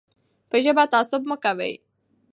په ژبه تعصب مه کوئ.